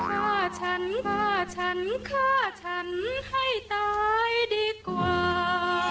ว่าฉันว่าฉันฆ่าฉันให้ตายดีกว่า